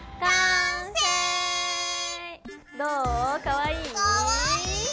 かわいい？